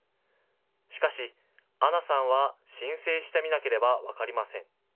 しかし、アナさんは申請してみなければ分かりません。